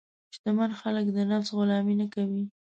شتمن خلک د نفس غلامي نه کوي.